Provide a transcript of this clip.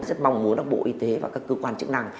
rất mong muốn bộ y tế và các cơ quan chức năng